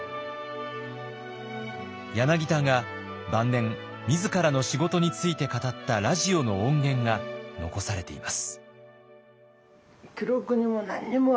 柳田が晩年自らの仕事について語ったラジオの音源が残されています。